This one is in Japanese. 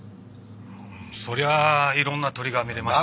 そりゃいろんな鳥が見れましたよ。